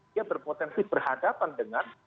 dia berpotensi berhadapan dengan